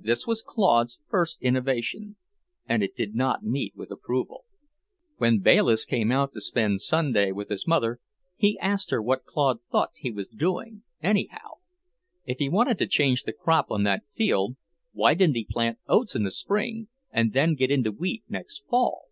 This was Claude's first innovation, and it did not meet with approval. When Bayliss came out to spend Sunday with his mother, he asked her what Claude thought he was doing, anyhow. If he wanted to change the crop on that field, why didn't he plant oats in the spring, and then get into wheat next fall?